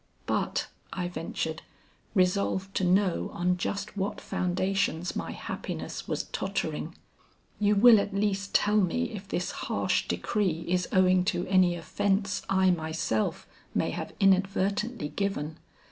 "But," I ventured, resolved to know on just what foundations my happiness was tottering, "you will at least tell me if this harsh decree is owing to any offence I myself may have inadvertently given.